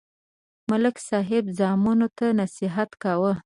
ملک صاحب زامنو ته نصحت کاوه